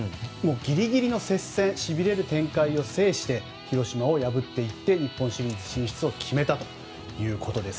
ギリギリの接戦しびれる展開を制して広島を破っていって日本シリーズ進出を決めたということです。